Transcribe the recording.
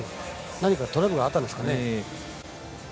何かトラブルがあったんですかね。